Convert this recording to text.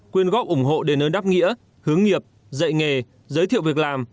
quyên góp ủng hộ đến nơi đáp nghĩa hướng nghiệp dạy nghề giới thiệu việc làm